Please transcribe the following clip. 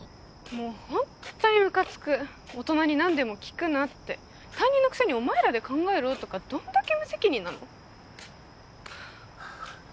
もうホントにムカつく大人に何でも聞くなって担任のくせにお前らで考えろとかどんだけ無責任なの？